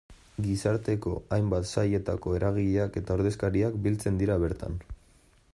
Gizarteko hainbat sailetako eragileak eta ordezkariak biltzen dira bertan.